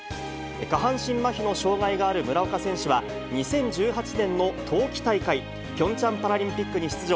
下半身まひの障がいがある村岡選手は、２０１８年の冬季大会、ピョンチャンパラリンピックに出場。